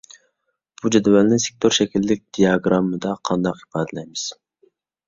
بۇ جەدۋەلنى سېكتور شەكىللىك دىياگراممىدا قانداق ئىپادىلەيمىز؟